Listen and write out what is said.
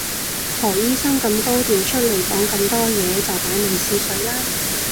何醫生咁高調出嚟講咁多嘢就擺明試水啦